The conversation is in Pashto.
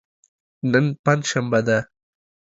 نن پنج شنبه ده.